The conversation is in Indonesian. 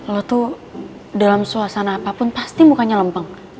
lo tuh dalam suasana apapun pasti mukanya lempeng